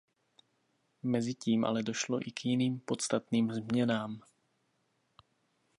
Mezitím ale došlo i k jiným podstatným změnám.